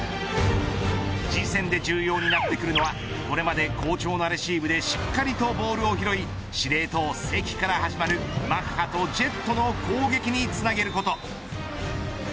次戦で重要になってくるのはこれまで好調なレシーブでしっかりとボールを拾い司令塔、関から始まるマッハとジェットの攻撃につなげること。